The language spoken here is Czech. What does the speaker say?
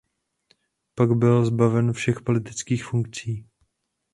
Pak byl zbaven všech politických funkcí.